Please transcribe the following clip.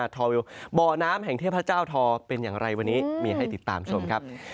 ทอวิวบ่อน้ำแห่งเทพเจ้าทอเป็นอย่างไรวันนี้มีให้ติดตามชมครับ